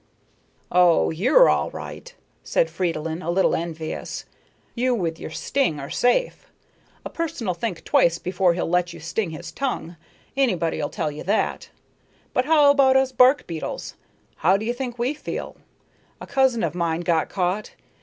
"Oh, you're all right," said Fridolin, a little envious, "you with your sting are safe. A person'll think twice before he'll let you sting his tongue. Anybody'll tell you that. But how about us bark beetles? How do you think we feel? A cousin of mine got caught.